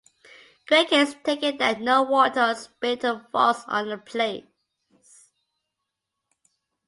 Great care is taken that no water or spittle falls on the place.